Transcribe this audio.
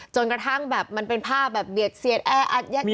จนกระทั่งแบบมันเป็นภาพแบบเบียดเสียดแออัดแยก